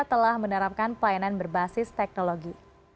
telah menerapkan pelayanan berbasis teknologi